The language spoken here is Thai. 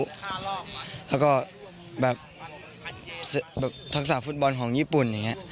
ที่เราไม่เคยรู้แล้วก็แบบธักษาฟุตบอลของญี่ปุ่นอย่างเงี้ย